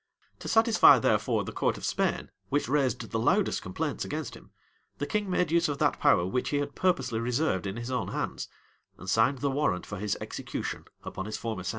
To satisfy, therefore the court of Spain, which raised the loudest complaints against him, the king made use of that power which he had purposely reserved in his own hands, and signed the warrant for his execution upon his former sentence.